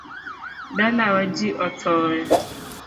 Dalawa ji othoe